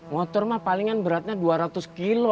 motor mah palingan beratnya dua ratus kilo